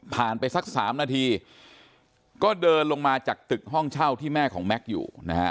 ไปสัก๓นาทีก็เดินลงมาจากตึกห้องเช่าที่แม่ของแม็กซ์อยู่นะฮะ